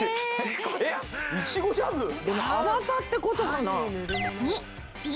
甘さってことかな？